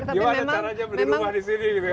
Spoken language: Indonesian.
gimana caranya beli rumah di sini gitu ya